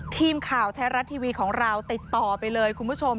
ทีมข่าวไทยรัฐทีวีของเราติดต่อไปเลยคุณผู้ชม